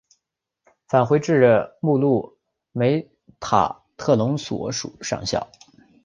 返回至目录梅塔特隆所属上校。